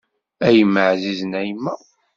A yemma ɛzizen a yemma.